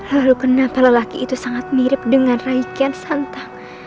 lalu kenapa lelaki itu sangat mirip dengan rai ketika